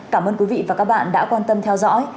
cảm ơn quý vị và các bạn đã quan tâm theo dõi